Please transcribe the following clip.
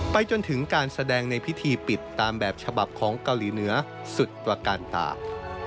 จนถึงการแสดงในพิธีปิดตามแบบฉบับของเกาหลีเหนือสุดประการตา